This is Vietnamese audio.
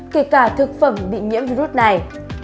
kể cả thực phẩm bị nhiễm virus này